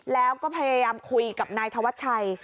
แล้วก็พยายามคุยกับนายธวัชชัย